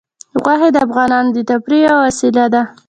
غوښې د افغانانو د تفریح یوه وسیله ده.